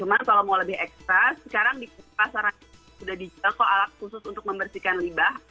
cuma kalau mau lebih ekstra sekarang di pasaran sudah dijangkau alat khusus untuk membersihkan limbah